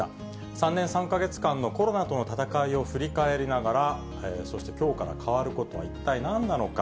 ３年３か月間のコロナとの闘いを振り返りながら、そしてきょうから変わることは一体なんなのか。